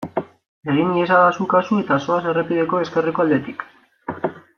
Egin iezadazu kasu eta zoaz errepideko ezkerreko aldetik.